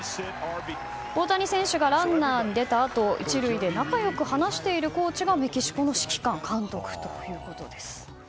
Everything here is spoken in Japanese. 大谷選手がランナーに出たあと１塁で仲良く話しているコーチがメキシコの指揮官監督ということです。